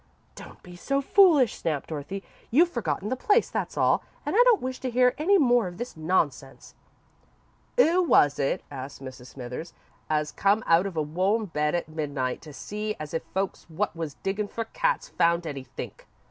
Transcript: "Don't be so foolish," snapped Dorothy. "You've forgotten the place, that's all, and I don't wish to hear any more of this nonsense." "'Oo was it?" asked Mrs. Smithers, "as come out of a warm bed at midnight to see as if folks wot was diggin' for cats found anythink?